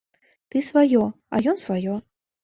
Ты сваё, а ён сваё.